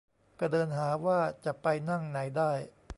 ก็เดินหาว่าจะไปนั่งไหนได้